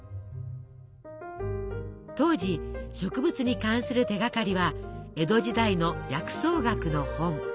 当時植物に関する手がかりは江戸時代の薬草学の本。